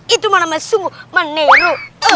itu mana mas sungguh meneru